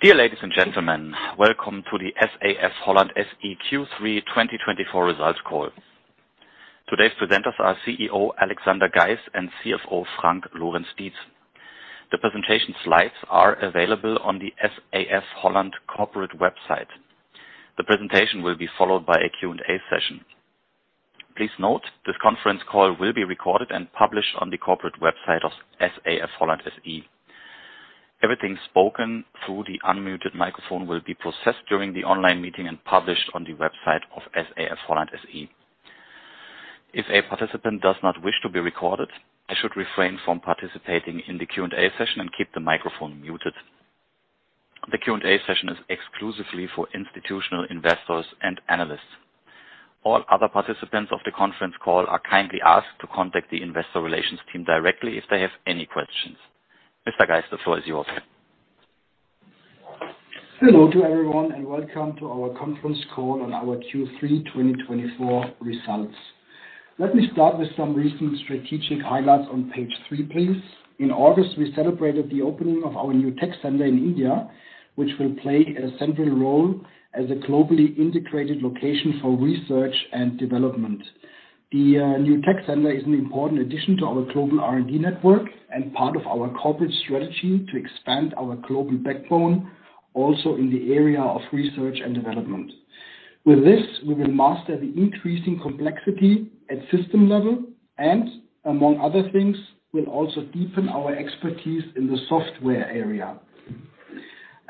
Dear ladies and gentlemen, welcome to the SAF-Holland Q3 2024 results call. Today's presenters are CEO Alexander Geis and CFO Frank Lorenz-Dietz. The presentation slides are available on the SAF-Holland corporate website. The presentation will be followed by a Q&A session. Please note, this conference call will be recorded and published on the corporate website of SAF-Holland SE. Everything spoken through the unmuted microphone will be processed during the online meeting and published on the website of SAF-Holland SE. If a participant does not wish to be recorded, I should refrain from participating in the Q&A session and keep the microphone muted. The Q&A session is exclusively for institutional investors and analysts. All other participants of the conference call are kindly asked to contact the investor relations team directly if they have any questions. Mr. Geis, the floor is yours. Hello to everyone and welcome to our conference call on our Q3 2024 results. Let me start with some recent strategic highlights on page three, please. In August, we celebrated the opening of our new tech center in India, which will play a central role as a globally integrated location for research and development. The new tech center is an important addition to our global R&D network and part of our corporate strategy to expand our global backbone also in the area of research and development. With this, we will master the increasing complexity at system level and, among other things, will also deepen our expertise in the software area.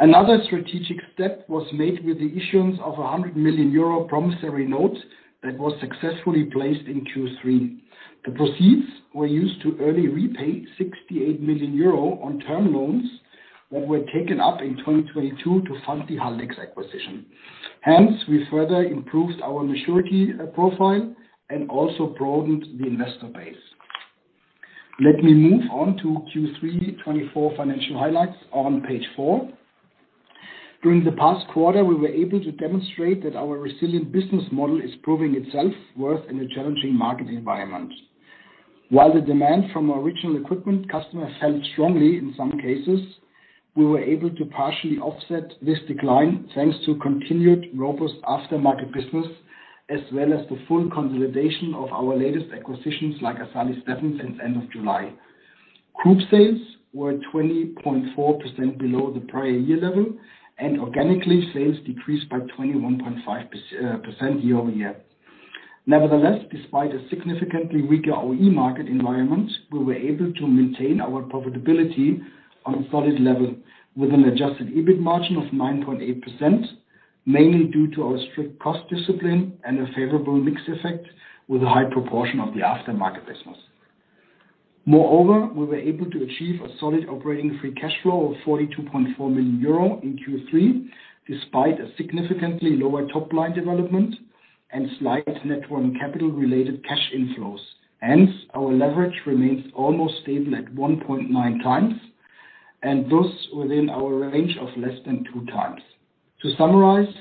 Another strategic step was made with the issuance of a 100 million euro promissory note that was successfully placed in Q3. The proceeds were used to early repay 68 million euro on term loans that were taken up in 2022 to fund the Haldex acquisition. Hence, we further improved our maturity profile and also broadened the investor base. Let me move on to Q3 2024 financial highlights on page four. During the past quarter, we were able to demonstrate that our resilient business model is proving itself worth in a challenging market environment. While the demand from original equipment customers fell strongly in some cases, we were able to partially offset this decline thanks to continued robust aftermarket business as well as the full consolidation of our latest acquisitions like Assali Stefen since the end of July. Group sales were 20.4% below the prior year level, and organically, sales decreased by 21.5% year-over-year. Nevertheless, despite a significantly weaker OE market environment, we were able to maintain our profitability on a solid level with an adjusted EBIT margin of 9.8%, mainly due to our strict cost discipline and a favorable mix effect with a high proportion of the aftermarket business. Moreover, we were able to achieve a solid operating free cash flow of 42.4 million euro in Q3 despite a significantly lower top line development and slight net working capital related cash inflows. Hence, our leverage remains almost stable at 1.9x and thus within our range of less than two times. To summarize,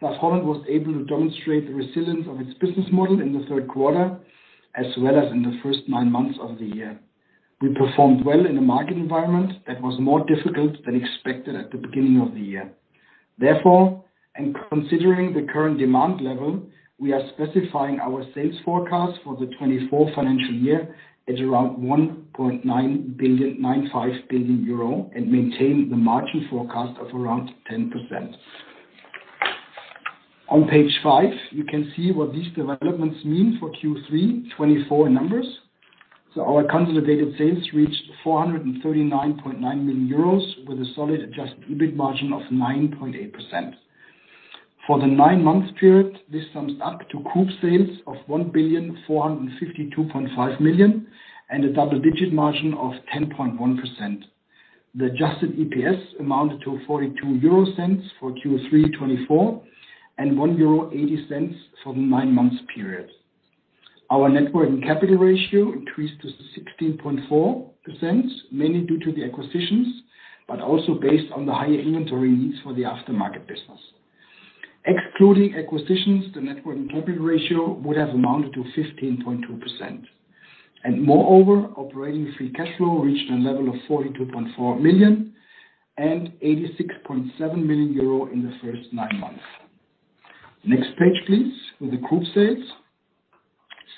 SAF-Holland was able to demonstrate the resilience of its business model in the third quarter as well as in the first nine months of the year. We performed well in a market environment that was more difficult than expected at the beginning of the year. Therefore, and considering the current demand level, we are specifying our sales forecast for the 2024 financial year at around 1.95 billion and maintain the margin forecast of around 10%. On page five, you can see what these developments mean for Q3 2024 in numbers, so our consolidated sales reached 439.9 million euros with a solid adjusted EBIT margin of 9.8%. For the nine-month period, this sums up to group sales of 1,452.5 million and a double-digit margin of 10.1%. The adjusted EPS amounted to 0.42 for Q3 2024 and 1.80 euro for the nine-month period. Our net working capital ratio increased to 16.4%, mainly due to the acquisitions, but also based on the higher inventory needs for the aftermarket business. Excluding acquisitions, the net working capital ratio would have amounted to 15.2%. Moreover, operating free cash flow reached a level of 42.4 million and 86.7 million euro in the first nine months. Next page, please, with the group sales.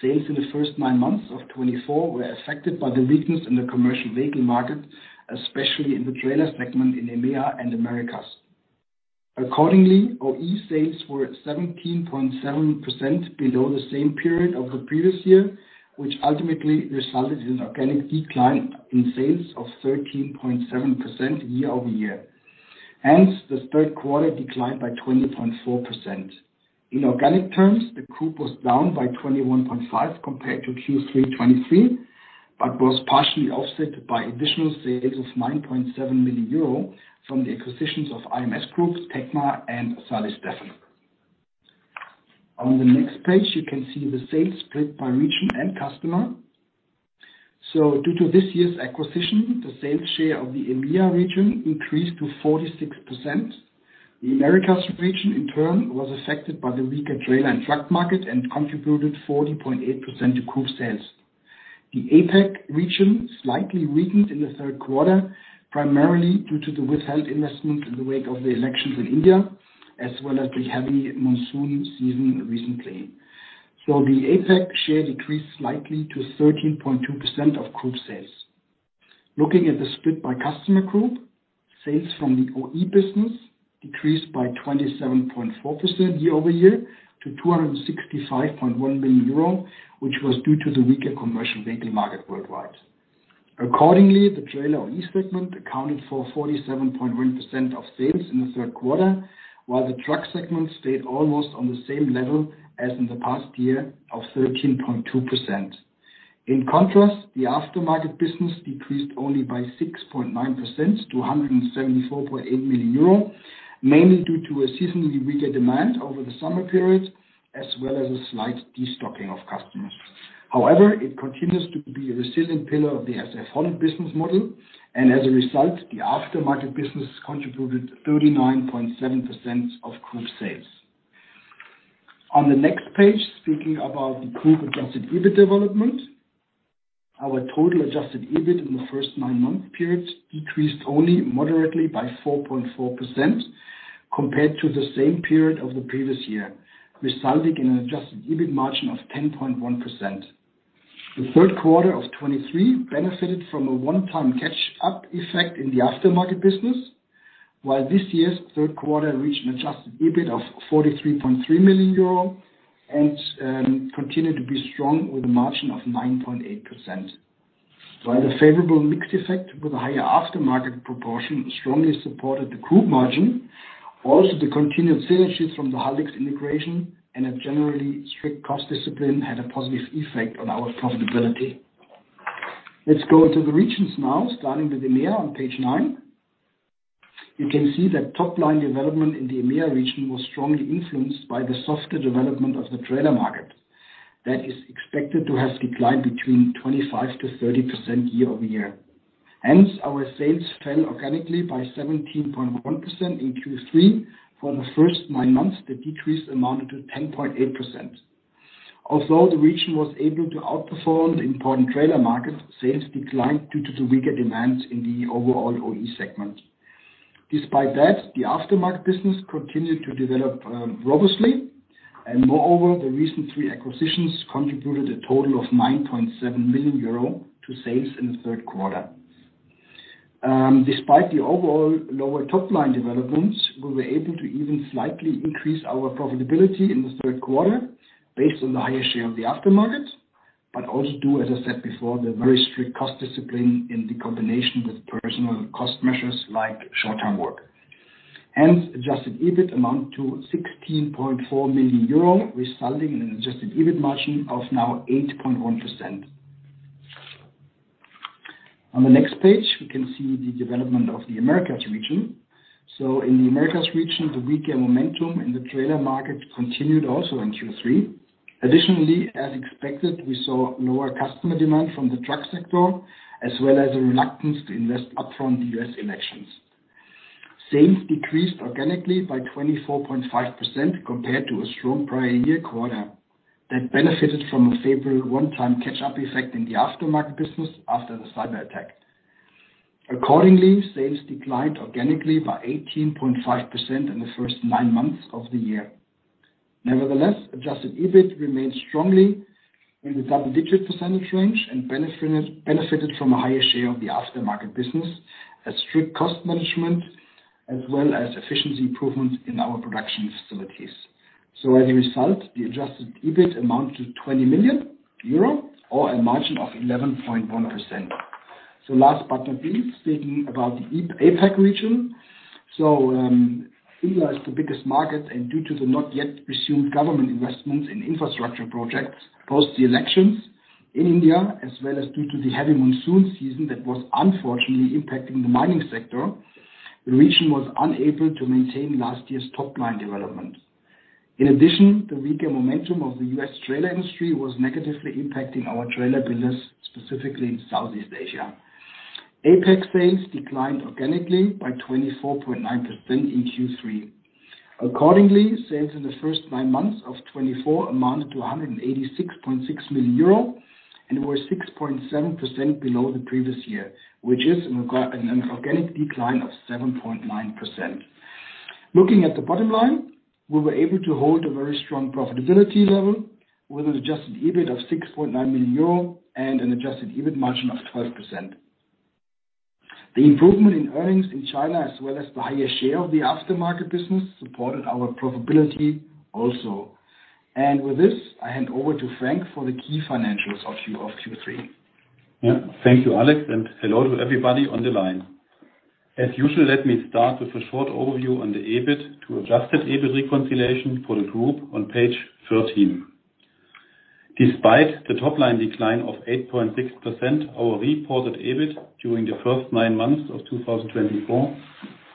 Sales in the first nine months of 2024 were affected by the weakness in the commercial vehicle market, especially in the trailer segment in EMEA and Americas. Accordingly, OE sales were 17.7% below the same period of the previous year, which ultimately resulted in an organic decline in sales of 13.7% year-over-year. Hence, the third quarter declined by 20.4%. In organic terms, the group was down by 21.5% compared to Q3 2023, but was partially offset by additional sales of 9.7 million euro from the acquisitions of IMS Group, Tecma, and Assali Stefen. On the next page, you can see the sales split by region and customer. So due to this year's acquisition, the sales share of the EMEA region increased to 46%. The Americas region, in turn, was affected by the weaker trailer and truck market and contributed 40.8% to group sales. The APEC region slightly weakened in the third quarter, primarily due to the withheld investments in the wake of the elections in India, as well as the heavy monsoon season recently, so the APEC share decreased slightly to 13.2% of group sales. Looking at the split by customer group, sales from the OE business decreased by 27.4% year-over-year to 265.1 million euro, which was due to the weaker commercial vehicle market worldwide. Accordingly, the trailer OE segment accounted for 47.1% of sales in the third quarter, while the truck segment stayed almost on the same level as in the past year of 13.2%. In contrast, the aftermarket business decreased only by 6.9% to 174.8 million euro, mainly due to a seasonally weaker demand over the summer period, as well as a slight destocking of customers. However, it continues to be a resilient pillar of the SAF-Holland business model, and as a result, the aftermarket business contributed 39.7% of group sales. On the next page, speaking about the group Adjusted EBIT development, our total Adjusted EBIT in the first nine-month period decreased only moderately by 4.4% compared to the same period of the previous year, resulting in an Adjusted EBIT margin of 10.1%. The third quarter of 2023 benefited from a one-time catch-up effect in the aftermarket business, while this year's third quarter reached an Adjusted EBIT of 43.3 million euro and continued to be strong with a margin of 9.8%. While the favorable mix effect with a higher aftermarket proportion strongly supported the group margin, also the continued synergy from the Haldex integration and a generally strict cost discipline had a positive effect on our profitability. Let's go to the regions now, starting with EMEA on page nine. You can see that top line development in the EMEA region was strongly influenced by the subdued development of the trailer market that is expected to have declined between 25%-30% year over year. Hence, our sales fell organically by 17.1% in Q3. For the first nine months, the decrease amounted to 10.8%. Although the region was able to outperform the important trailer market, sales declined due to the weaker demand in the overall OE segment. Despite that, the aftermarket business continued to develop robustly, and moreover, the recent three acquisitions contributed a total of 9.7 million euro to sales in the third quarter. Despite the overall lower top line developments, we were able to even slightly increase our profitability in the third quarter based on the higher share of the aftermarket, but also due, as I said before, to the very strict cost discipline in the combination with personal cost measures like short-term work. Hence, adjusted EBIT amounted to 16.4 million euro, resulting in an adjusted EBIT margin of now 8.1%. On the next page, we can see the development of the Americas region. So in the Americas region, the weaker momentum in the trailer market continued also in Q3. Additionally, as expected, we saw lower customer demand from the truck sector as well as a reluctance to invest upfront in U.S. elections. Sales decreased organically by 24.5% compared to a strong prior year quarter that benefited from a favorable one-time catch-up effect in the aftermarket business after the cyber attack. Accordingly, sales declined organically by 18.5% in the first nine months of the year. Nevertheless, adjusted EBIT remained strongly in the double-digit percentage range and benefited from a higher share of the aftermarket business, a strict cost management, as well as efficiency improvements in our production facilities. So as a result, the adjusted EBIT amounted to 20 million euro or a margin of 11.1%. So last but not least, speaking about the APEC region. India is the biggest market, and due to the not yet resumed government investments in infrastructure projects post the elections in India, as well as due to the heavy monsoon season that was unfortunately impacting the mining sector, the region was unable to maintain last year's top line development. In addition, the weaker momentum of the U.S. trailer industry was negatively impacting our trailer builders, specifically in Southeast Asia. APEC sales declined organically by 24.9% in Q3. Accordingly, sales in the first nine months of 2024 amounted to 186.6 million euro and were 6.7% below the previous year, which is an organic decline of 7.9%. Looking at the bottom line, we were able to hold a very strong profitability level with an adjusted EBIT of 6.9 million euro and an adjusted EBIT margin of 12%. The improvement in earnings in China, as well as the higher share of the aftermarket business, supported our profitability also, and with this, I hand over to Frank for the key financials of Q3. Yeah, thank you, Alex, and hello to everybody on the line. As usual, let me start with a short overview on the EBIT to adjusted EBIT reconciliation for the group on page 13. Despite the top line decline of 8.6%, our reported EBIT during the first nine months of 2024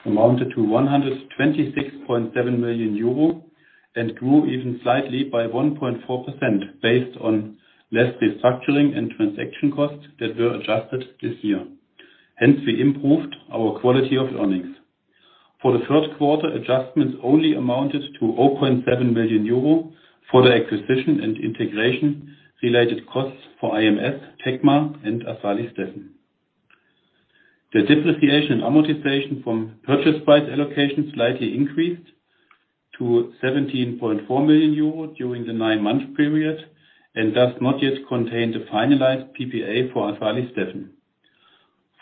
amounted to 126.7 million euro and grew even slightly by 1.4% based on less restructuring and transaction costs that were adjusted this year. Hence, we improved our quality of earnings. For the third quarter, adjustments only amounted to 0.7 million euro for the acquisition and integration related costs for IMS, Tecma, and Assali Stefen. The depreciation and amortization from purchase price allocation slightly increased to 17.4 million euro during the nine-month period and does not yet contain the finalized PPA for Asali Stephan.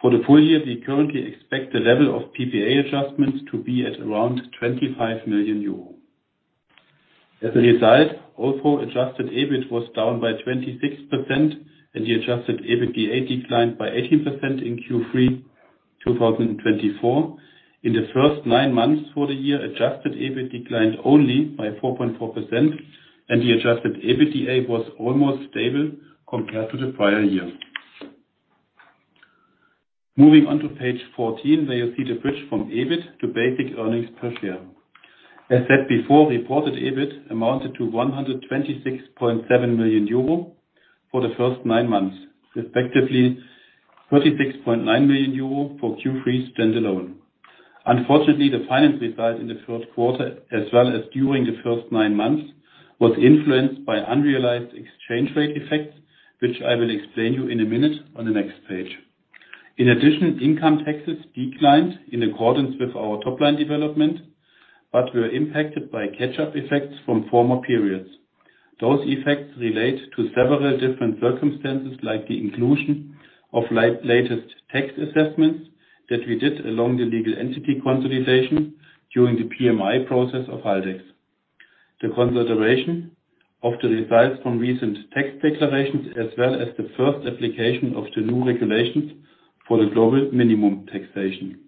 For the full year, we currently expect the level of PPA adjustments to be at around 25 million euro. As a result, although adjusted EBIT was down by 26% and the adjusted EBITDA declined by 18% in Q3 2024, in the first nine months for the year, adjusted EBIT declined only by 4.4%, and the adjusted EBITDA was almost stable compared to the prior year. Moving on to page 14, where you see the bridge from EBIT to basic earnings per share. As said before, reported EBIT amounted to 126.7 million euro for the first nine months, respectively 36.9 million euro for Q3 standalone. Unfortunately, the finance result in the third quarter, as well as during the first nine months, was influenced by unrealized exchange rate effects, which I will explain to you in a minute on the next page. In addition, income taxes declined in accordance with our top line development, but were impacted by catch-up effects from former periods. Those effects relate to several different circumstances, like the inclusion of latest tax assessments that we did along the legal entity consolidation during the PMI process of Haldex, the consideration of the results from recent tax declarations, as well as the first application of the new regulations for the global minimum taxation.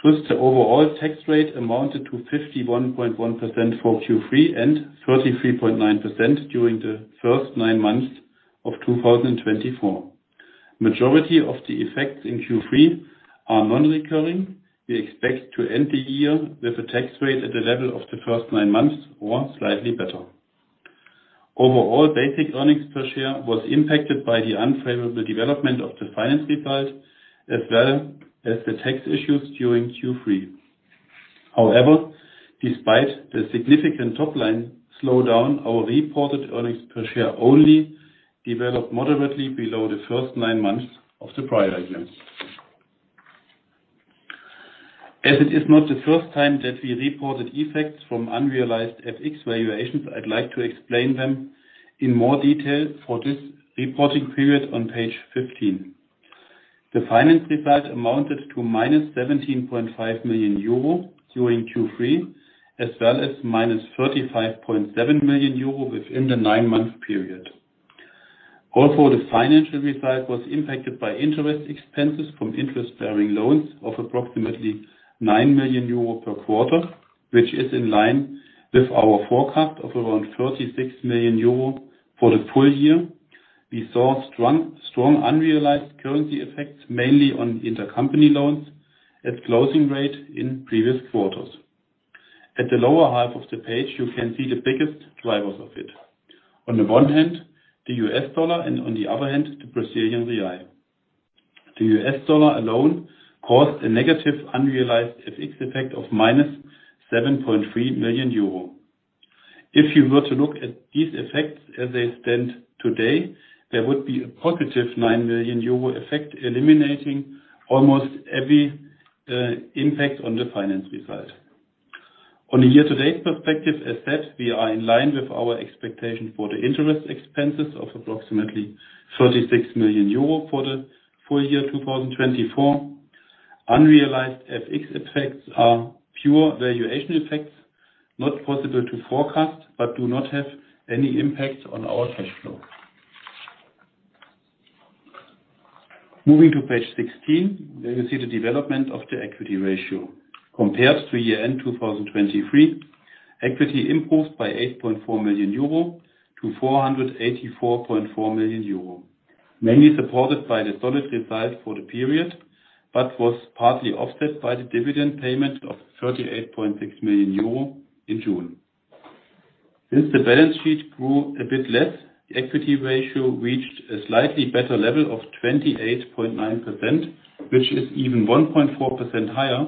Plus, the overall tax rate amounted to 51.1% for Q3 and 33.9% during the first nine months of 2024. Majority of the effects in Q3 are non-recurring. We expect to end the year with a tax rate at the level of the first nine months or slightly better. Overall, basic earnings per share was impacted by the unfavorable development of the finance result, as well as the tax issues during Q3. However, despite the significant top line slowdown, our reported earnings per share only developed moderately below the first nine months of the prior year. As it is not the first time that we reported effects from unrealized FX valuations, I'd like to explain them in more detail for this reporting period on page 15. The finance result amounted to minus 17.5 million euro during Q3, as well as minus 35.7 million euro within the nine-month period. Also, the financial result was impacted by interest expenses from interest-bearing loans of approximately 9 million euro per quarter, which is in line with our forecast of around 36 million euro for the full year. We saw strong unrealized currency effects, mainly on intercompany loans at closing rate in previous quarters. At the lower half of the page, you can see the biggest drivers of it. On the one hand, the US dollar, and on the other hand, the Brazilian real. The U.S. dollar alone caused a negative unrealized FX effect of minus 7.3 million euro. If you were to look at these effects as they stand today, there would be a positive 9 million euro effect eliminating almost every impact on the finance result. On a year-to-date perspective, as said, we are in line with our expectation for the interest expenses of approximately 36 million euro for the full year 2024. Unrealized FX effects are pure valuation effects, not possible to forecast, but do not have any impact on our cash flow. Moving to page 16, where you see the development of the equity ratio. Compared to year-end 2023, equity improved by 8.4 million euro to 484.4 million euro, mainly supported by the solid result for the period, but was partly offset by the dividend payment of 38.6 million euro in June. Since the balance sheet grew a bit less, the equity ratio reached a slightly better level of 28.9%, which is even 1.4% higher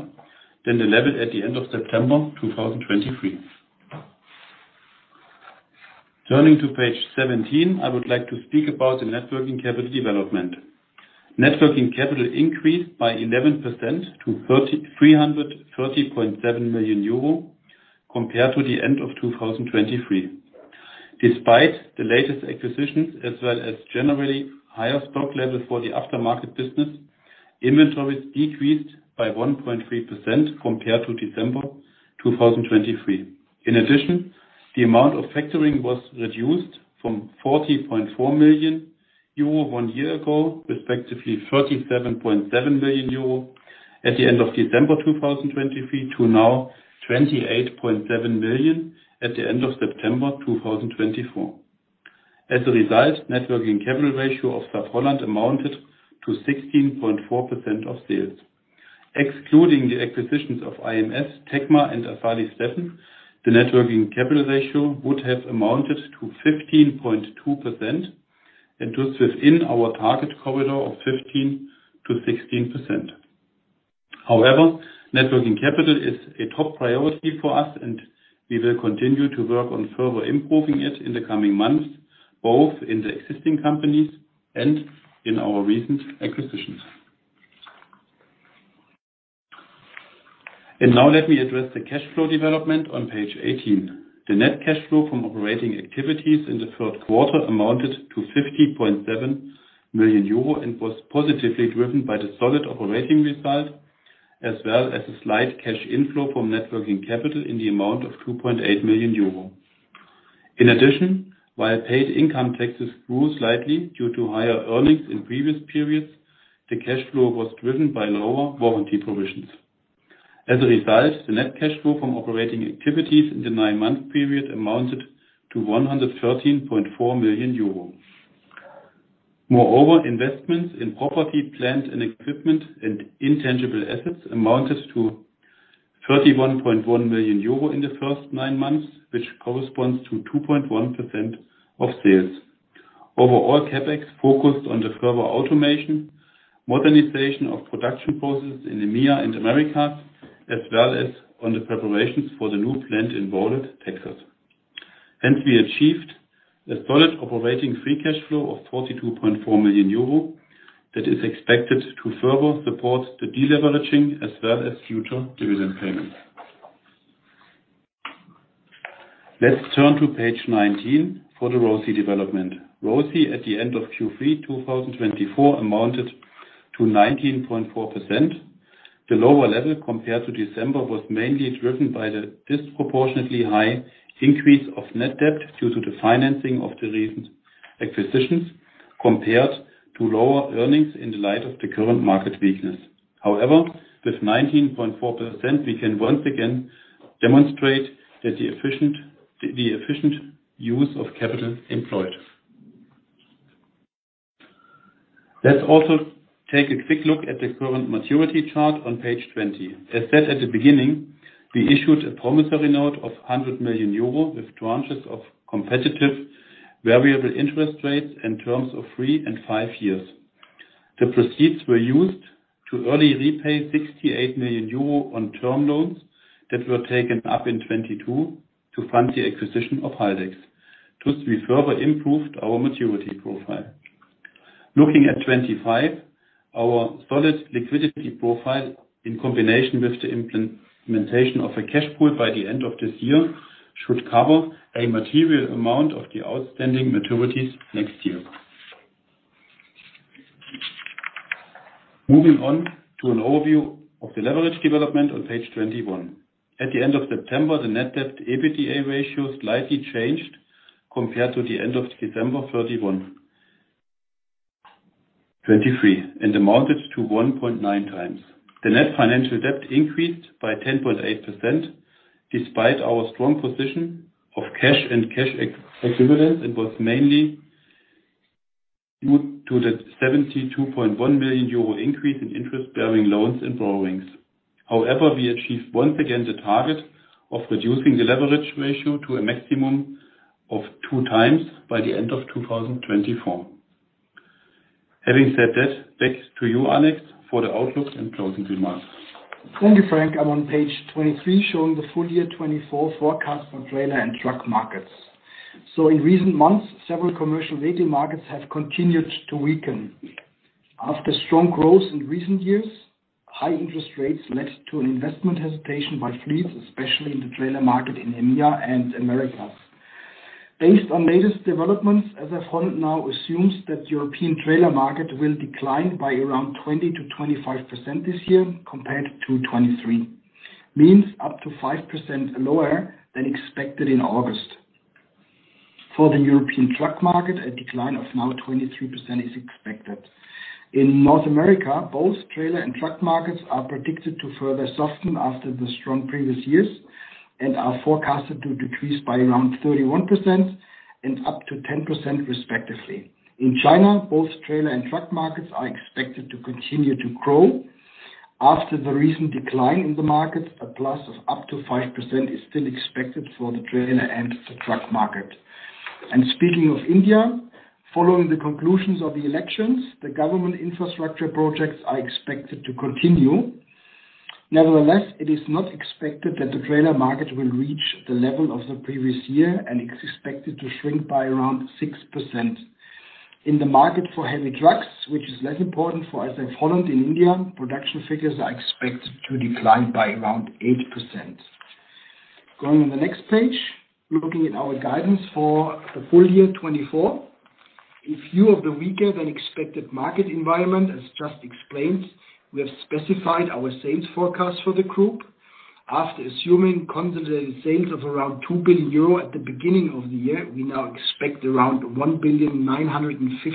than the level at the end of September 2023. Turning to page 17, I would like to speak about the net working capital development. Net working capital increased by 11% to 330.7 million euro compared to the end of 2023. Despite the latest acquisitions, as well as generally higher stock levels for the aftermarket business, inventories decreased by 1.3% compared to December 2023. In addition, the amount of factoring was reduced from 40.4 million euro one year ago, respectively 37.7 million euro at the end of December 2023, to now 28.7 million at the end of September 2024. As a result, net working capital ratio of SAF-Holland amounted to 16.4% of sales. Excluding the acquisitions of IMS, Tecma, and Assali Stefen, the net working capital ratio would have amounted to 15.2%, and thus within our target corridor of 15%-16%. However, net working capital is a top priority for us, and we will continue to work on further improving it in the coming months, both in the existing companies and in our recent acquisitions. Now let me address the cash flow development on page 18. The net cash flow from operating activities in the third quarter amounted to 50.7 million euro and was positively driven by the solid operating result, as well as a slight cash inflow from net working capital in the amount of 2.8 million euro. In addition, while paid income taxes grew slightly due to higher earnings in previous periods, the cash flow was driven by lower warranty provisions. As a result, the net cash flow from operating activities in the nine-month period amounted to 113.4 million euro. Moreover, investments in property, plant and equipment, and intangible assets amounted to 31.1 million euro in the first nine months, which corresponds to 2.1% of sales. Overall, CapEx focused on the further automation, modernization of production processes in EMEA and Americas, as well as on the preparations for the new plant in Rowlett, Texas. Hence, we achieved a solid operating free cash flow of 42.4 million euro that is expected to further support the deleveraging, as well as future dividend payments. Let's turn to page 19 for the ROCE development. ROCE at the end of Q3 2024 amounted to 19.4%. The lower level compared to December was mainly driven by the disproportionately high increase of net debt due to the financing of the recent acquisitions compared to lower earnings in the light of the current market weakness. However, with 19.4%, we can once again demonstrate that the efficient use of capital employed. Let's also take a quick look at the current maturity chart on page 20. As said at the beginning, we issued a promissory note of € 100 million with tranches of competitive variable interest rates in terms of three and five years. The proceeds were used to early repay € 68 million on term loans that were taken up in 2022 to fund the acquisition of Haldex. Thus, we further improved our maturity profile. Looking at 2025, our solid liquidity profile in combination with the implementation of a cash pool by the end of this year should cover a material amount of the outstanding maturities next year. Moving on to an overview of the leverage development on page 21. At the end of September, the net debt EBITDA ratio slightly changed compared to the end of December 2023 and amounted to 1.9x. The net financial debt increased by 10.8% despite our strong position of cash and cash equivalents and was mainly due to the 72.1 million euro increase in interest-bearing loans and borrowings. However, we achieved once again the target of reducing the leverage ratio to a maximum of two times by the end of 2024. Having said that, back to you, Alex, for the outlook and closing remarks. Thank you, Frank. I'm on page 23 showing the full year 2024 forecast for trailer and truck markets. So, in recent months, several commercial vehicle markets have continued to weaken. After strong growth in recent years, high interest rates led to an investment hesitation by fleets, especially in the trailer market in EMEA and Americas. Based on latest developments, as I've found, now assumes that the European trailer market will decline by around 20%-25% this year compared to 2023, means up to 5% lower than expected in August. For the European truck market, a decline of now 23% is expected. In North America, both trailer and truck markets are predicted to further soften after the strong previous years and are forecasted to decrease by around 31% and up to 10%, respectively. In China, both trailer and truck markets are expected to continue to grow. After the recent decline in the markets, a plus of up to 5% is still expected for the trailer and the truck market. Speaking of India, following the conclusions of the elections, the government infrastructure projects are expected to continue. Nevertheless, it is not expected that the trailer market will reach the level of the previous year and is expected to shrink by around 6%. In the market for heavy trucks, which is less important for SAF-Holland in India, production figures are expected to decline by around 8%. Going on to the next page, looking at our guidance for the full year 2024, due to the weaker-than-expected market environment, as just explained, we have specified our sales forecast for the group. After assuming consolidated sales of around 2 billion euro at the beginning of the year, we now expect around 1.95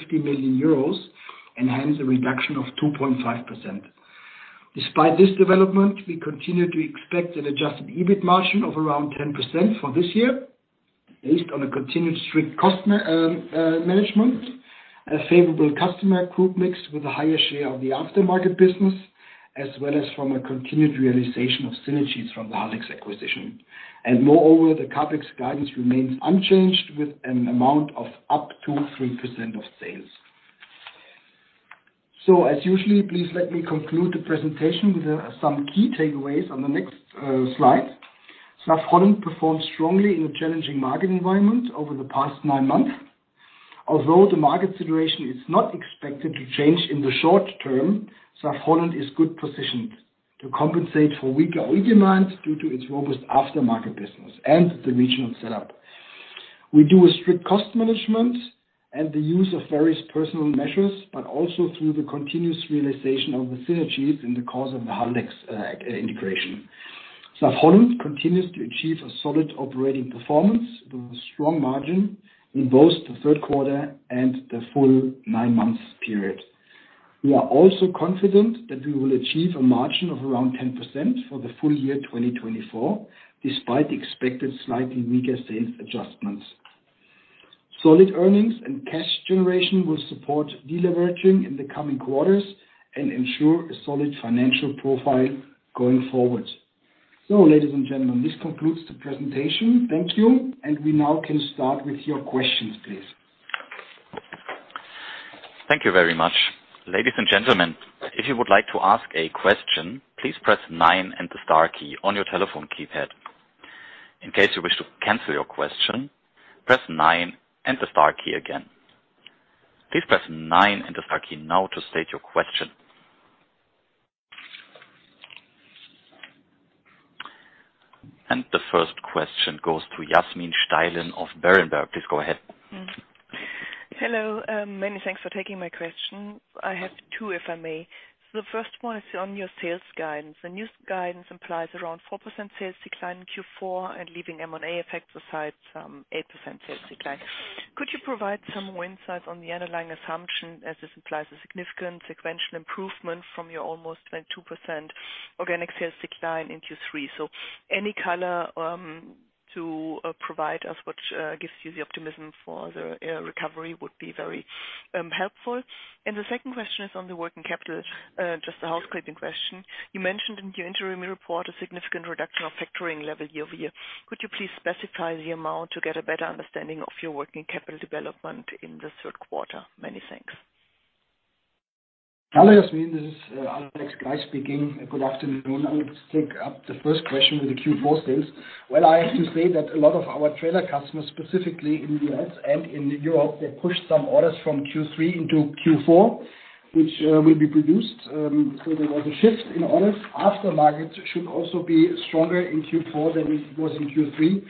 billion and hence a reduction of 2.5%. Despite this development, we continue to expect an Adjusted EBIT margin of around 10% for this year, based on a continued strict cost management, a favorable customer group mix with a higher share of the aftermarket business, as well as from a continued realization of synergies from the Haldex acquisition, and moreover, the CapEx guidance remains unchanged with an amount of up to 3% of sales, so, as usual, please let me conclude the presentation with some key takeaways on the next slide. SAF-Holland performed strongly in a challenging market environment over the past nine months. Although the market situation is not expected to change in the short term, SAF-Holland is well positioned to compensate for weaker OE demand due to its robust aftermarket business and the regional setup. We do a strict cost management and the use of various personnel measures, but also through the continuous realization of the synergies in the course of the Haldex integration. SAF-Holland continues to achieve a solid operating performance with a strong margin in both the third quarter and the full nine-month period. We are also confident that we will achieve a margin of around 10% for the full year 2024, despite the expected slightly weaker sales adjustments. Solid earnings and cash generation will support deleveraging in the coming quarters and ensure a solid financial profile going forward. So, ladies and gentlemen, this concludes the presentation. Thank you, and we now can start with your questions, please. Thank you very much. Ladies and gentlemen, if you would like to ask a question, please press nine and the star key on your telephone keypad. In case you wish to cancel your question, press nine and the star key again. Please press nine and the star key now to state your question. And the first question goes to Yasmin Steilen of Berenberg. Please go ahead. Hello. Many thanks for taking my question. I have two, if I may. The first one is on your sales guidance. The new guidance implies around 4% sales decline in Q4 and leaving M&A effects aside some 8% sales decline. Could you provide some more insights on the underlying assumption, as this implies a significant sequential improvement from your almost 22% organic sales decline in Q3? So, any color to provide us what gives you the optimism for the recovery would be very helpful. And the second question is on the working capital. Just a housekeeping question. You mentioned in your interim report a significant reduction of factoring level year over year. Could you please specify the amount to get a better understanding of your working capital development in the third quarter? Many thanks. Hello, Yasmin. This is Alex Geis speaking. Good afternoon. I would take up the first question with the Q4 sales. I have to say that a lot of our trailer customers, specifically in the U.S. and in Europe, they pushed some orders from Q3 into Q4, which will be produced. So, there was a shift in orders. Aftermarket should also be stronger in Q4 than it was in Q3.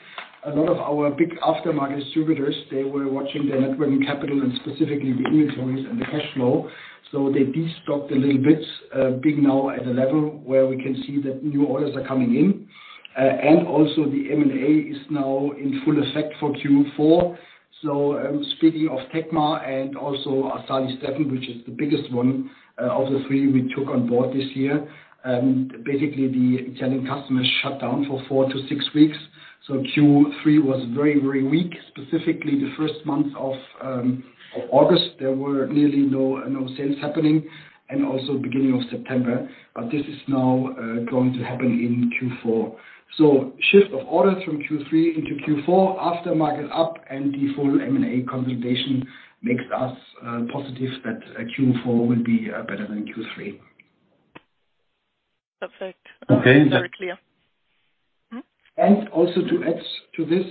A lot of our big aftermarket distributors, they were watching their net working capital and specifically the inventories and the cash flow. So, they destocked a little bit, being now at a level where we can see that new orders are coming in. And also, the M&A is now in full effect for Q4. So, speaking of Tecma and also Assali Stefen, which is the biggest one of the three we took on board this year, basically the Italian customers shut down for four to six weeks. Q3 was very, very weak. Specifically, the first month of August, there were nearly no sales happening, and also beginning of September. But this is now going to happen in Q4. Shift of orders from Q3 into Q4, aftermarket up, and the full M&A consolidation makes us positive that Q4 will be better than Q3. Perfect. Okay. Very clear. Also to add to this,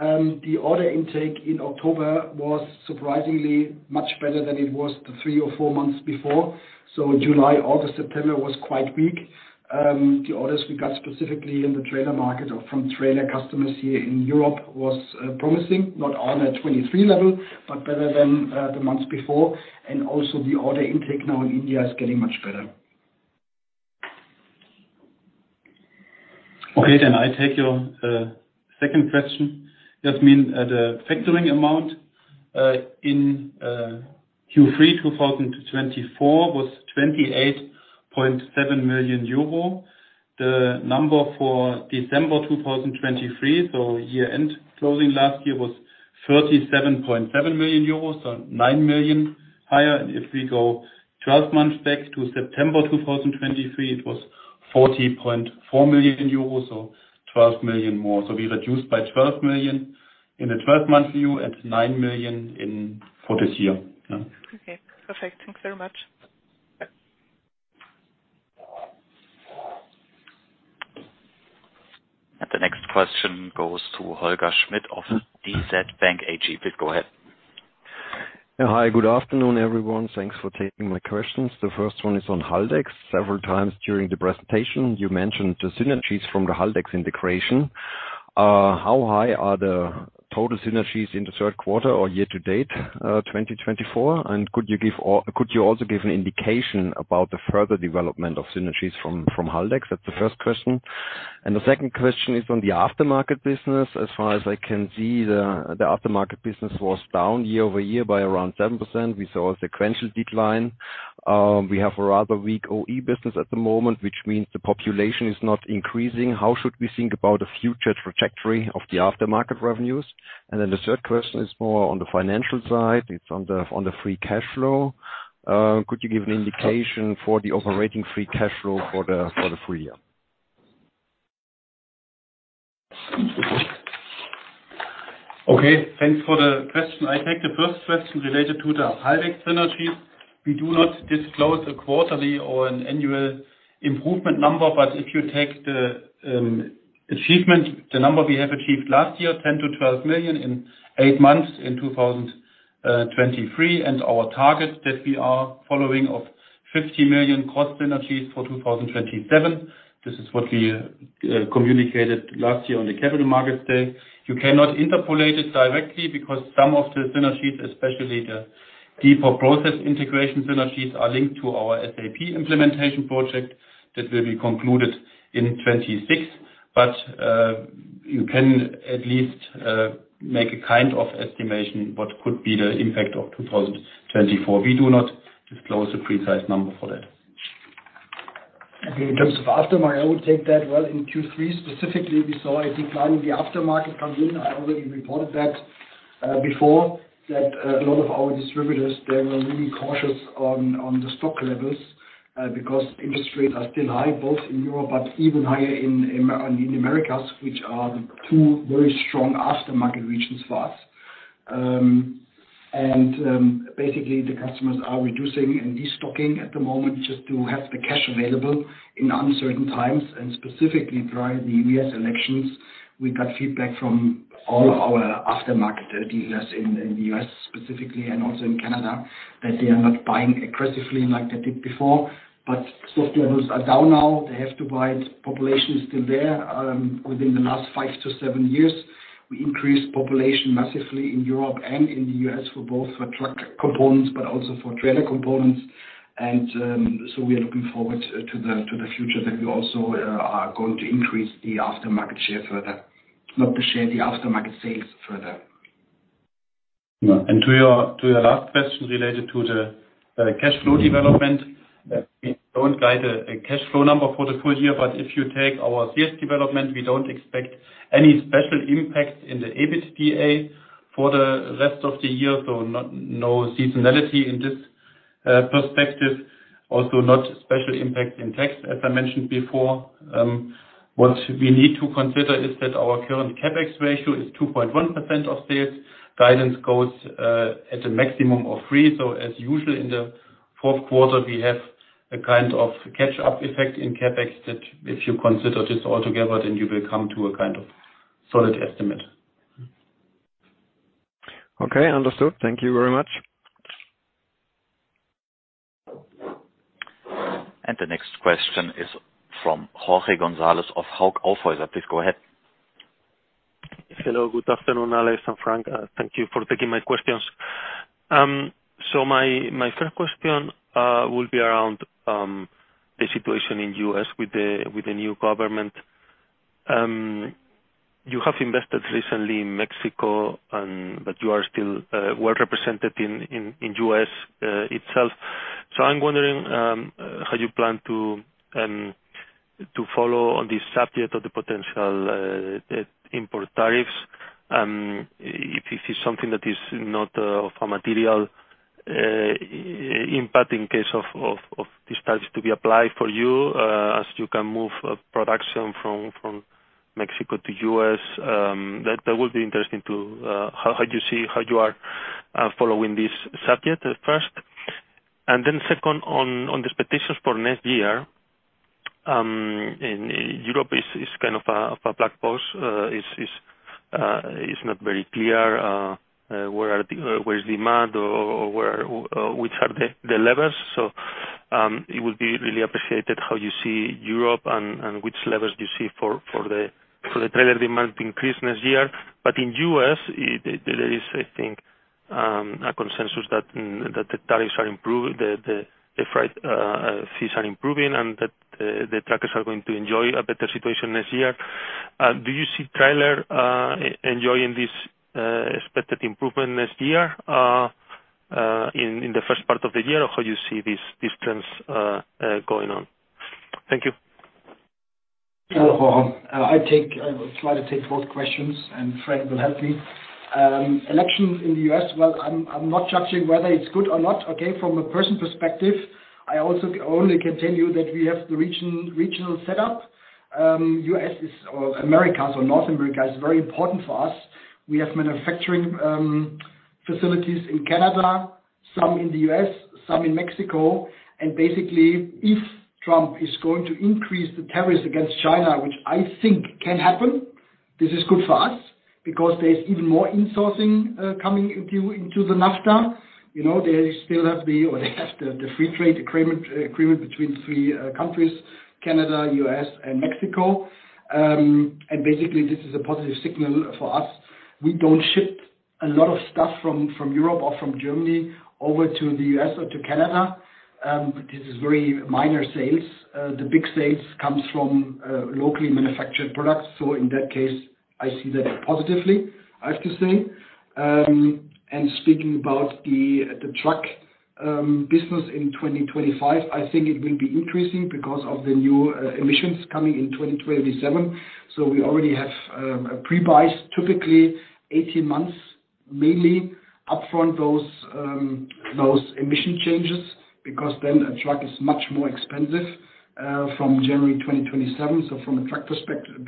the order intake in October was surprisingly much better than it was the three or four months before. July, August, September was quite weak. The orders we got specifically in the trailer market or from trailer customers here in Europe was promising, not on a 2023 level, but better than the months before. The order intake now in India is getting much better. Okay, then I take your second question. Yasmin, the factoring amount in Q3 2024 was 28.7 million euro. The number for December 2023, so year-end closing last year, was 37.7 million euros, so 9 million higher. And if we go 12 months back to September 2023, it was 40.4 million euros, so 12 million more. So, we reduced by 12 million in the 12-month view and 9 million for this year. Okay. Perfect. Thanks very much. The next question goes to Holger Schmidt of DZ Bank AG. Please go ahead. Hi, good afternoon, everyone. Thanks for taking my questions. The first one is on Haldex. Several times during the presentation, you mentioned the synergies from the Haldex integration. How high are the total synergies in the third quarter or year-to-date 2024? And could you also give an indication about the further development of synergies from Haldex? That's the first question. And the second question is on the aftermarket business. As far as I can see, the aftermarket business was down year over year by around 7%. We saw a sequential decline. We have a rather weak OE business at the moment, which means the population is not increasing. How should we think about the future trajectory of the aftermarket revenues? And then the third question is more on the financial side. It's on the free cash flow. Could you give an indication for the operating free cash flow for the full year? Okay. Thanks for the question. I take the first question related to the Haldex synergies. We do not disclose a quarterly or an annual improvement number, but if you take the achievement, the number we have achieved last year, 10 million-12 million in eight months in 2023, and our target that we are following of 50 million cost synergies for 2027. This is what we communicated last year on the Capital Markets Day. You cannot interpolate it directly because some of the synergies, especially the deeper process integration synergies, are linked to our SAP implementation project that will be concluded in 2026. But you can at least make a kind of estimation what could be the impact of 2024. We do not disclose a precise number for that. Okay. In terms of aftermarket, I would take that. Well, in Q3 specifically, we saw a decline in the aftermarket coming in. I already reported that before, that a lot of our distributors, they were really cautious on the stock levels because interest rates are still high, both in Europe but even higher in Americas, which are two very strong aftermarket regions for us. And basically, the customers are reducing and destocking at the moment just to have the cash available in uncertain times. And specifically during the U.S. elections, we got feedback from all our aftermarket dealers in the U.S., specifically, and also in Canada, that they are not buying aggressively like they did before. But stock levels are down now. They have to buy. Population is still there. Within the last five to seven years, we increased population massively in Europe and in the U.S. for both truck components, but also for trailer components, and so we are looking forward to the future that we also are going to increase the aftermarket share further, not the share, the aftermarket sales further. To your last question related to the cash flow development, we don't guide a cash flow number for the full year, but if you take our sales development, we don't expect any special impact in the EBITDA for the rest of the year. So, no seasonality in this perspective. Also, not special impact in tax, as I mentioned before. What we need to consider is that our current CapEx ratio is 2.1% of sales. Guidance goes at a maximum of three. So, as usual, in the fourth quarter, we have a kind of catch-up effect in CapEx that if you consider this altogether, then you will come to a kind of solid estimate. Okay. Understood. Thank you very much. And the next question is from Jorge González of Hauck Aufhäuser. Please go ahead. Hello. Good afternoon, Alex and Frank. Thank you for taking my questions. So, my first question will be around the situation in the U.S. with the new government. You have invested recently in Mexico, but you are still well represented in the U.S. itself. So, I'm wondering how you plan to follow on this subject of the potential import tariffs. If it's something that is not of a material impact in case of these tariffs to be applied for you, as you can move production from Mexico to the U.S., that would be interesting to how you see how you are following this subject first. And then second, on the expectations for next year, Europe is kind of a black box. It's not very clear where is demand or which are the levers. So, it would be really appreciated how you see Europe and which levers you see for the trailer demand to increase next year? But in the U.S., there is, I think, a consensus that the tariffs are improving, the freight fees are improving, and that the truckers are going to enjoy a better situation next year. Do you see trailer enjoying this expected improvement next year in the first part of the year, or how do you see this trend going on? Thank you. Hello, Jorge. I would like to take both questions, and Frank will help me. Elections in the U.S., well, I'm not judging whether it's good or not. Okay. From a personal perspective, I also only can tell you that we have the regional setup. America or North America is very important for us. We have manufacturing facilities in Canada, some in the U.S., some in Mexico, and basically, if Trump is going to increase the tariffs against China, which I think can happen, this is good for us because there's even more insourcing coming into the NAFTA. They still have, or they have, the free trade agreement between three countries, Canada, U.S., and Mexico, and basically, this is a positive signal for us. We don't ship a lot of stuff from Europe or from Germany over to the U.S. or to Canada. This is very minor sales. The big sales come from locally manufactured products. So, in that case, I see that positively, I have to say. And speaking about the truck business in 2025, I think it will be increasing because of the new emissions coming in 2027. So, we already have a pre-buy, typically 18 months mainly upfront those emission changes because then a truck is much more expensive from January 2027. So, from a truck perspective,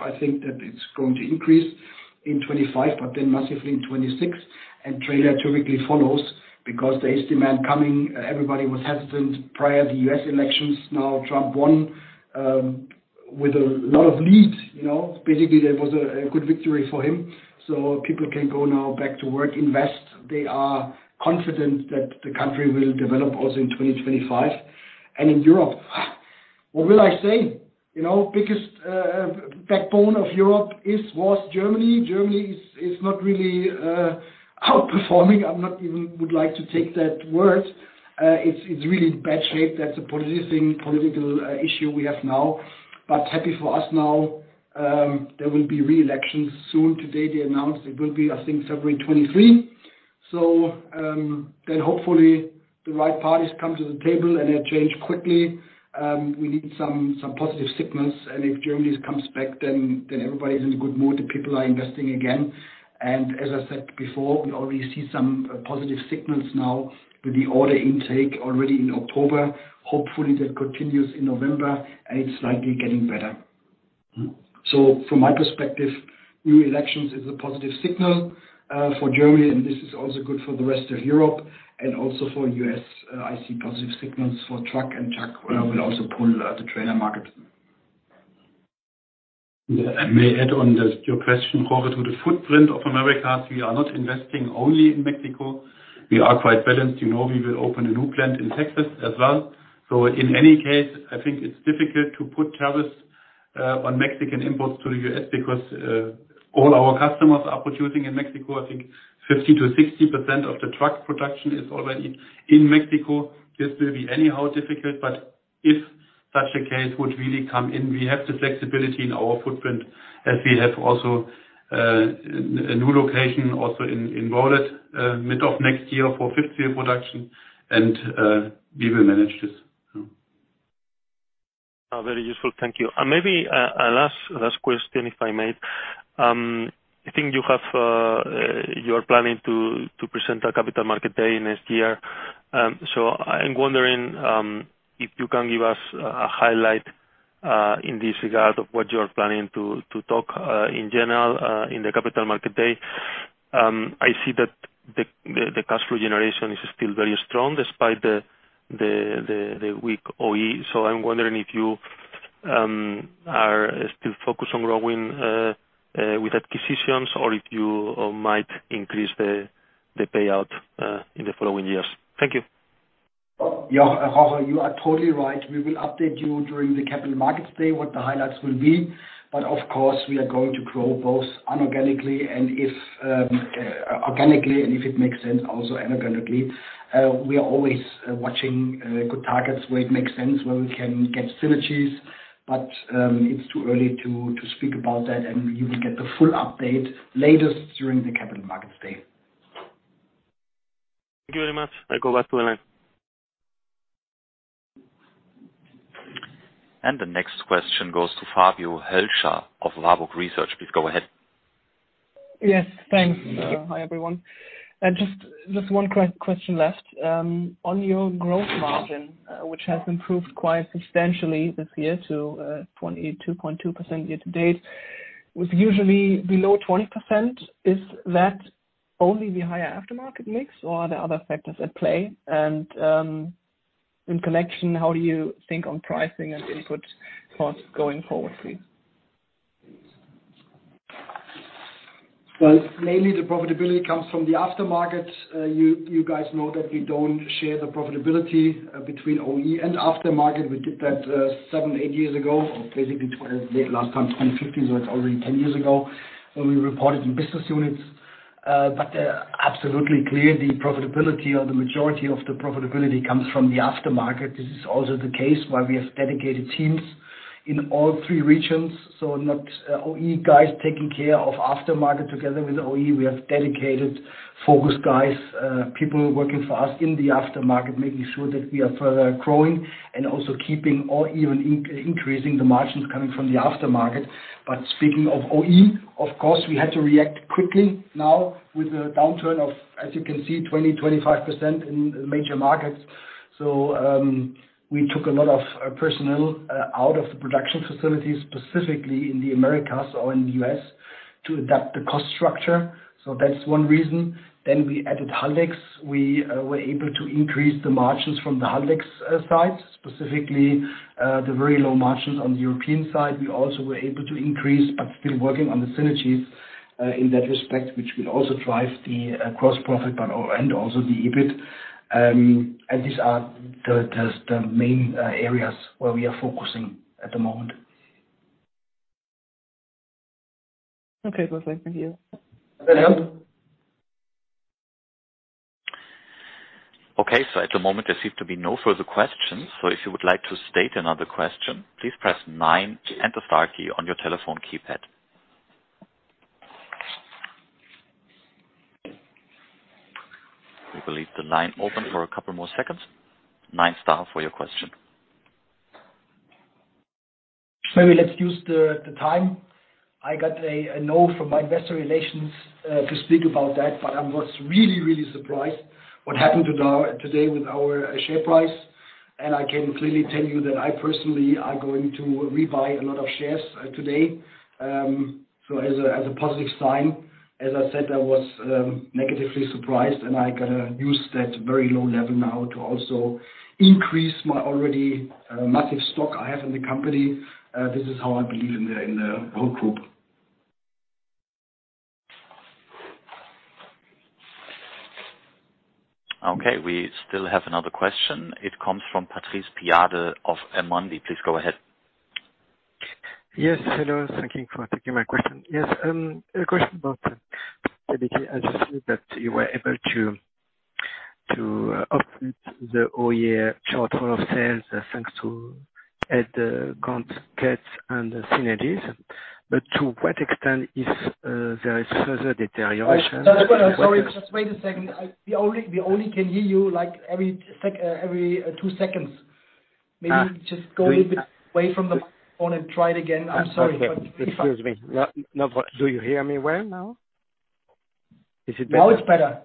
I think that it's going to increase in 2025, but then massively in 2026. And trailer typically follows because there is demand coming. Everybody was hesitant prior to the U.S. elections. Now, Trump won with a lot of leads. Basically, there was a good victory for him. So, people can go now back to work, invest. They are confident that the country will develop also in 2025. And in Europe, what will I say? Biggest backbone of Europe was Germany. Germany is not really outperforming. I'm not even would like to take that word. It's really in bad shape. That's a political issue we have now. But happy for us now. There will be re-elections soon. Today, they announced it will be, I think, February 2023. So, then hopefully the right parties come to the table and they change quickly. We need some positive signals. And if Germany comes back, then everybody is in a good mood. The people are investing again. And as I said before, we already see some positive signals now with the order intake already in October. Hopefully, that continues in November, and it's likely getting better. So, from my perspective, new elections is a positive signal for Germany, and this is also good for the rest of Europe and also for the U.S. I see positive signals for truck, and truck will also pull the trailer market. Yeah, and may I add on your question, Jorge, to the footprint of America? We are not investing only in Mexico. We are quite balanced. We will open a new plant in Texas as well. In any case, I think it's difficult to put tariffs on Mexican imports to the US because all our customers are producing in Mexico. I think 50%-60% of the truck production is already in Mexico. This will be anyhow difficult, but if such a case would really come in, we have the flexibility in our footprint as we have also a new location also in Rowlett mid of next year for fifth wheel production, and we will manage this. Very useful. Thank you. And maybe a last question, if I may. I think you are planning to present a Capital Markets Day next year. So, I'm wondering if you can give us a highlight in this regard of what you are planning to talk in general in the Capital Markets Day. I see that the cash flow generation is still very strong despite the weak OE. So, I'm wondering if you are still focused on growing with acquisitions or if you might increase the payout in the following years. Thank you. Jorge, you are totally right. We will update you during the Capital Markets Day what the highlights will be, but of course, we are going to grow both organically and, if it makes sense, also inorganically. We are always watching good targets where it makes sense, where we can get synergies, but it's too early to speak about that, and you will get the full update latest during the Capital Markets Day. Thank you very much. I go back to the line. And the next question goes to Fabio Hölscher of Warburg Research. Please go ahead. Yes. Thanks. Hi, everyone. Just one question left. On your growth margin, which has improved quite substantially this year to 22.2% year-to-date, was usually below 20%. Is that only the higher aftermarket mix, or are there other factors at play? And in connection, how do you think on pricing and input costs going forward, please? Mainly the profitability comes from the aftermarket. You guys know that we don't share the profitability between OE and aftermarket. We did that seven, eight years ago, or basically last time 2015, so it's already 10 years ago when we reported in business units. Absolutely clear, the profitability or the majority of the profitability comes from the aftermarket. This is also the case where we have dedicated teams in all three regions. Not OE guys taking care of aftermarket together with OE. We have dedicated focus guys, people working for us in the aftermarket, making sure that we are further growing and also keeping or even increasing the margins coming from the aftermarket. Speaking of OE, of course, we had to react quickly now with a downturn of, as you can see, 20%-25% in major markets. So, we took a lot of personnel out of the production facilities, specifically in the Americas or in the U.S., to adapt the cost structure. So, that's one reason. Then we added Haldex. We were able to increase the margins from the Haldex side, specifically the very low margins on the European side. We also were able to increase, but still working on the synergies in that respect, which will also drive the gross profit and also the EBIT. And these are the main areas where we are focusing at the moment. Okay. Perfect. Thank you. That help? Okay. So, at the moment, there seems to be no further questions. So, if you would like to state another question, please press nine and the star key on your telephone keypad. We will leave the line open for a couple more seconds. nine star for your question. Maybe let's use the time. I got a no from my investor relations to speak about that, but I was really, really surprised what happened today with our share price, and I can clearly tell you that I personally are going to rebuy a lot of shares today, so, as a positive sign, as I said, I was negatively surprised, and I'm going to use that very low level now to also increase my already massive stock I have in the company. This is how I believe in the whole group. Okay. We still have another question. It comes from Patrice Piadé of CIC Market Solutions. Please go ahead. Yes. Hello. Thank you for taking my question. Yes. A question about the stability. I just heard that you were able to update the OE/A chart for sales thanks to the cost cuts and the synergies. But to what extent if there is further deterioration? Sorry. Just wait a second. We only can hear you like every two seconds. Maybe just go a little bit away from the microphone and try it again. I'm sorry Excuse me. Do you hear me well now? Is it better? Now it's better.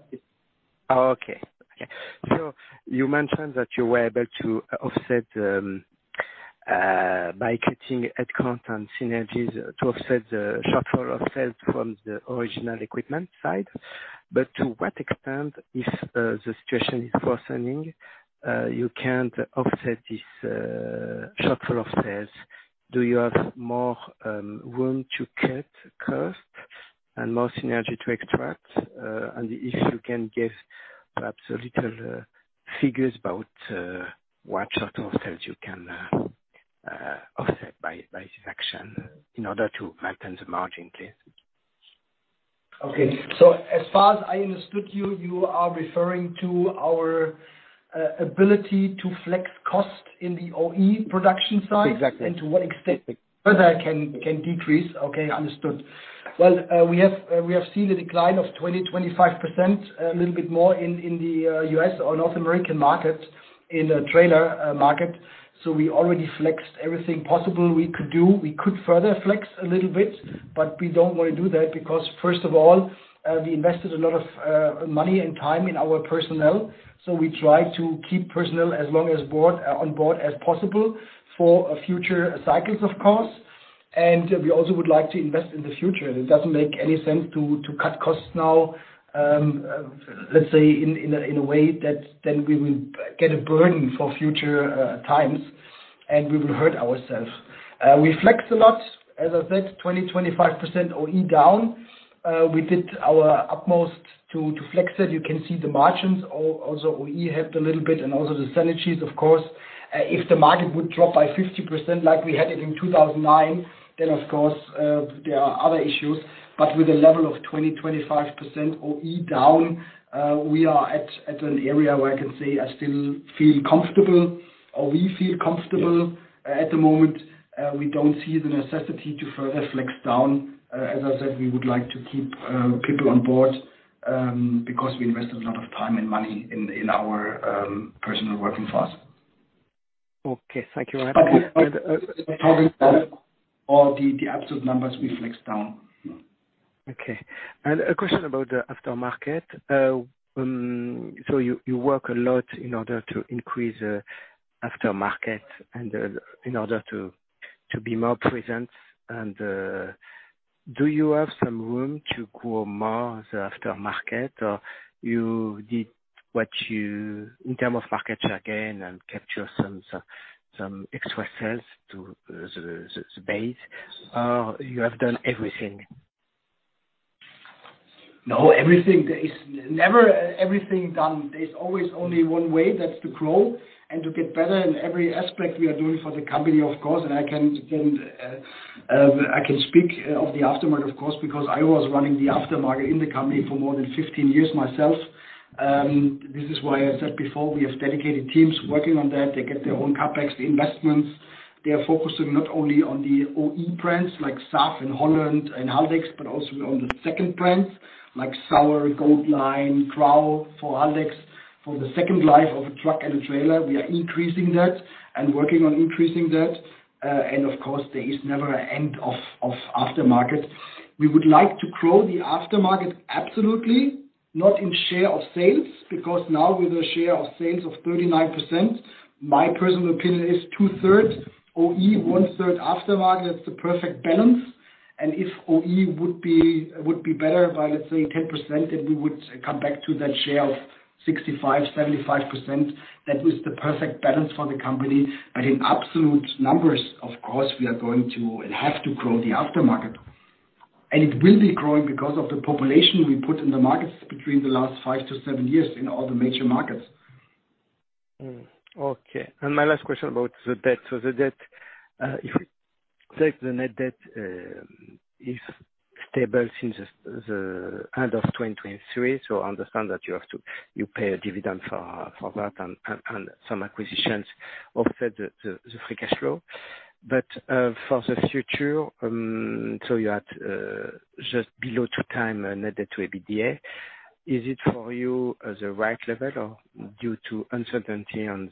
Oh, okay. Okay. So, you mentioned that you were able to offset by cutting headcount and synergies to offset the shortfall of sales from the original equipment side. But to what extent, if the situation is worsening, you can't offset this shortfall of sales? Do you have more room to cut cost and more synergy to extract? And if you can give perhaps a little figures about what sort of sales you can offset by this action in order to maintain the margin, please? Okay. So, as far as I understood you, you are referring to our ability to flex cost in the OE production side? Exactly. To what extent further can decrease? Okay. Understood. We have seen a decline of 20%-25%, a little bit more in the U.S. or North American market in the trailer market. We already flexed everything possible we could do. We could further flex a little bit, but we don't want to do that because, first of all, we invested a lot of money and time in our personnel. We try to keep personnel as long on board as possible for future cycles, of course. We also would like to invest in the future. It doesn't make any sense to cut costs now, let's say, in a way that then we will get a burden for future times, and we will hurt ourselves. We flexed a lot, as I said, 20%-25% OE down. We did our utmost to flex it. You can see the margins. Also, OE helped a little bit, and also the synergies, of course. If the market would drop by 50% like we had it in 2009, then, of course, there are other issues. But with a level of 20%-25% OE down, we are at an area where I can say I still feel comfortable, or we feel comfortable at the moment. We don't see the necessity to further flex down. As I said, we would like to keep people on board because we invested a lot of time and money in our personnel working for us. Okay. Thank you very much. Okay. We're talking about all the absolute numbers we flexed down. Okay. And a question about the aftermarket. So, you work a lot in order to increase the aftermarket and in order to be more present. And do you have some room to grow more the aftermarket, or you did what you in terms of market share gain and capture some extra sales to the base, or you have done everything? No, everything. There is never everything done. There's always only one way. That's to grow and to get better in every aspect we are doing for the company, of course. And I can speak of the aftermarket, of course, because I was running the aftermarket in the company for more than 15 years myself. This is why I said before we have dedicated teams working on that. They get their own CapEx investments. They are focusing not only on the OE brands like SAF and Holland and Haldex, but also on the second brands like Sauer, Gold Line, Grau for Haldex. For the second life of a truck and a trailer, we are increasing that and working on increasing that. And of course, there is never an end of aftermarket. We would like to grow the aftermarket, absolutely, not in share of sales, because now with a share of sales of 39%, my personal opinion is two-thirds OE, one-third aftermarket. That's the perfect balance. If OE would be better by, let's say, 10%, then we would come back to that share of 65%-75%. That was the perfect balance for the company. But in absolute numbers, of course, we are going to and have to grow the aftermarket. It will be growing because of the population we put in the markets between the last five to seven years in all the major markets. Okay. And my last question about the debt. So, the debt, if we take the net debt, it's stable since the end of 2023. So, I understand that you have to pay a dividend for that and some acquisitions offset the free cash flow. But for the future, so you had just below two times net debt to EBITDA. Is it for you the right level, or due to uncertainty on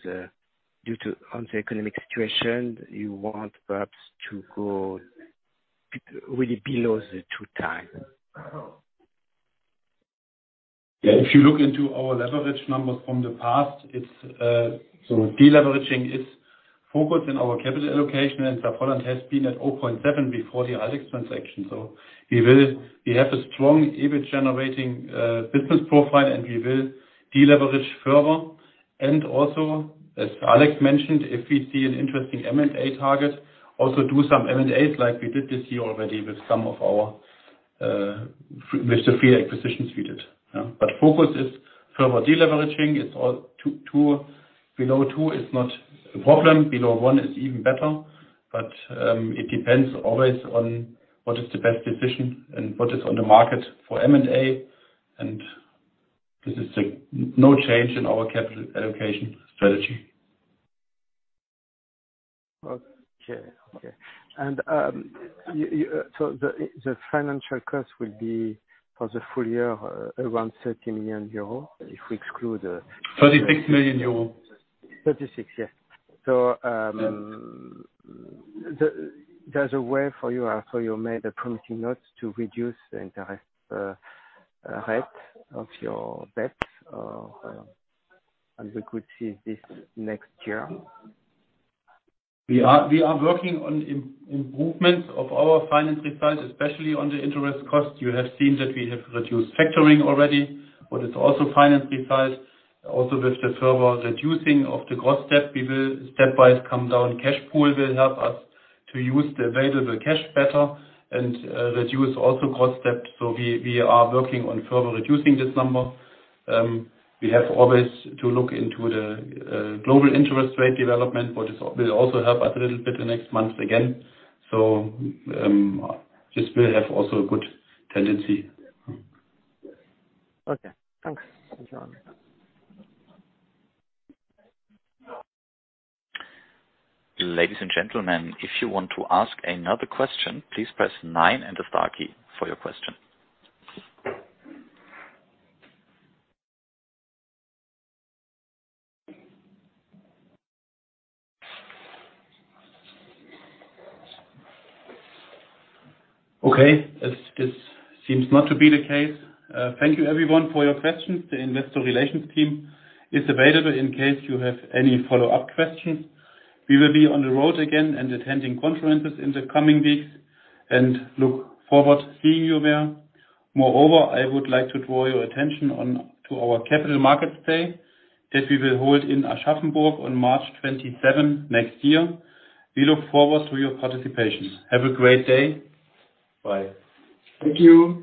the economic situation, you want perhaps to go really below the two times? Yeah. If you look into our leverage numbers from the past, so deleveraging is focused in our capital allocation, and SAF-Holland has been at 0.7 before the Haldex transaction. We have a strong EBIT-generating business profile, and we will deleverage further. As Alex mentioned, if we see an interesting M&A target, we will also do some M&As like we did this year already with the three acquisitions we did. The focus is further deleveraging. It's below two is not a problem. Below one is even better. It depends always on what is the best decision and what is on the market for M&A. This is no change in our capital allocation strategy. Okay. Okay. And so, the financial cost will be for the full year around 30 million euro if we exclude the. 36 million euro. 36, yes. So, there's a way for you after you made a promissory note to reduce the interest rate of your debt, and we could see this next year. We are working on improvements of our finance results, especially on the interest cost. You have seen that we have reduced factoring already, but it's also finance results. Also, with the further reducing of the gross debt, we will stepwise come down. Cash pool will help us to use the available cash better and reduce also gross debt. So, we are working on further reducing this number. We have always to look into the global interest rate development, but it will also help us a little bit in the next months again. So, this will have also a good tendency. Okay. Thanks, John. Ladies and gentlemen, if you want to ask another question, please press nine and the star key for your question. Okay. This seems not to be the case. Thank you, everyone, for your questions. The investor relations team is available in case you have any follow-up questions. We will be on the road again and attending conferences in the coming weeks and look forward to seeing you there. Moreover, I would like to draw your attention to our Capital Markets Day that we will hold in Aschaffenburg on March 27 next year. We look forward to your participation. Have a great day. Bye. Thank you.